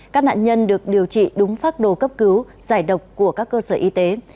các nạn nhân được điều trị đúng phác đồ cấp cứu giải độc của các cơ sở y tế